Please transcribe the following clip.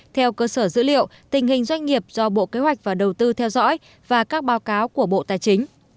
theo cơ sở dữ liệu tình hình doanh nghiệp do bộ kế hoạch và đầu tư theo dõi và các báo cáo của bộ tài chính